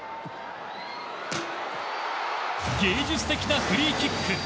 芸術的なフリーキック。